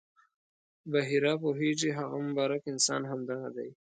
بحیرا پوهېږي هغه مبارک انسان همدغه دی.